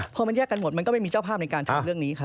พอมันแยกกันหมดมันก็ไม่มีเจ้าภาพในการทำเรื่องนี้ครับ